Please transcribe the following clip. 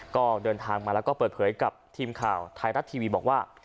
ก็เดินทางมาแล้วก็เปิดเผยกับทีมข่าวไทยรัฐทีวีบอกว่า